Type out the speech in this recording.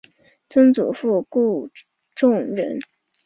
曾祖父顾仲仁。